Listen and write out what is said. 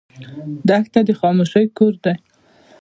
دښته د خاموشۍ کور دی.